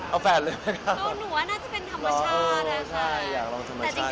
เอาแฟนเลยไหมคะถูกหนังเหนือน่าจะเป็นธรรมชาติ